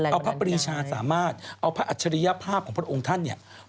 เอาพระปรีชาสามารถเอาพระอัจฉริยภาพของพระองค์ท่านเนี่ย